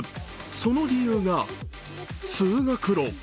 その理由が通学路。